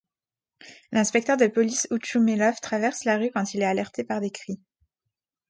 L’inspecteur de police Otchoumélov traverse la rue quand il est alerté par des cris.